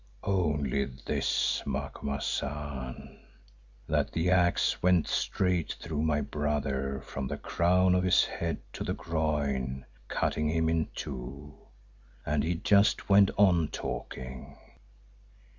"Only this, Macumazahn, that the axe went straight through my brother from the crown of his head to the groin, cutting him in two, and he just went on talking!